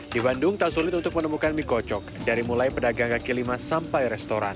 di bandung tak sulit untuk menemukan mie kocok dari mulai pedagang kaki lima sampai restoran